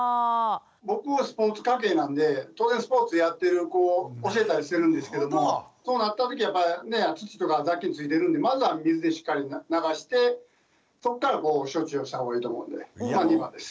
僕はスポーツ関係なんで当然スポーツやってる子教えたりしてるんですけれどもそうなった時はやっぱり土とか雑菌付いてるんでまずは水でしっかり流してそっからこう処置をしたほうがいいと思うんで２番です。